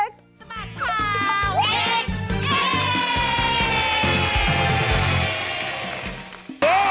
จัดกระบวนพร้อมกัน